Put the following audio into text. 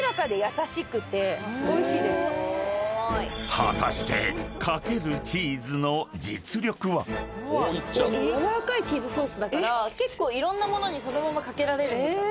［果たして］やわらかいチーズソースだから結構いろんな物にそのまま掛けられるんですよ。